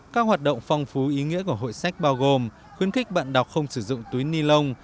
các hoạt động phong phú ý nghĩa của hội sách bao gồm khuyến khích bạn đọc không sử dụng túi ni lông